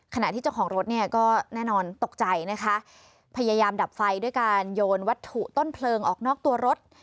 ขณะที่เจ้าของรถเนี่ยก็แน่นอนตกใจนะคะพยายามดับไฟด้วยการโยนวัตถุต้นเพลิงออกนอกตัวรถ